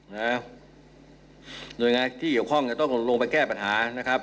หน่วยงานที่เกี่ยวข้องจะต้องลงไปแก้ปัญหานะครับ